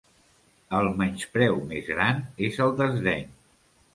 El menyspreu més gran és el desdeny.